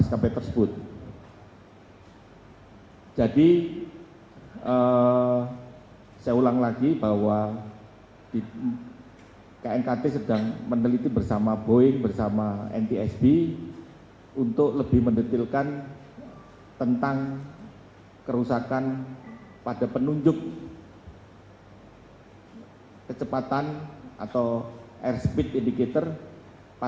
saya berharap perpetu yakin accommodations suksesnya tidak akan pindah sebarang louise than profesional pembentangan dan media di amerika